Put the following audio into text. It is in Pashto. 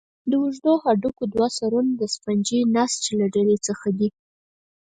د اوږدو هډوکو دوه سرونه د سفنجي نسج له ډلې څخه دي.